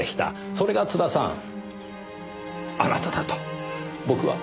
それが津田さんあなただと僕は思っています。